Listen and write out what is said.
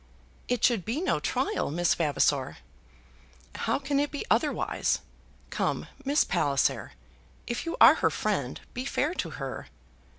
"It should be no trial, Miss Vavasor." "How can it be otherwise? Come, Miss Palliser; if you are her friend, be fair to her."